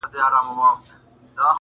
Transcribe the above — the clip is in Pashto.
په هر قتل هر آفت کي به دى ياد وو،